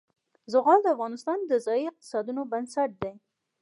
زغال د افغانستان د ځایي اقتصادونو بنسټ دی.